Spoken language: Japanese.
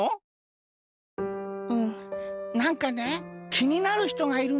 うんなんかねきになるひとがいるんだよ。